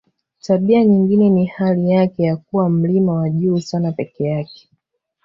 Tabia nyingine ni hali yake ya kuwa mlima wa juu sana peke yake